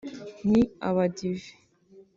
ni Abadive